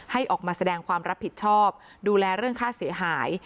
ออกมาแสดงความรับผิดชอบดูแลเรื่องค่าเสียหาย